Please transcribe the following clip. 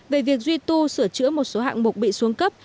về việc duy tu sửa chữa một số hạng mục bị xuống cấp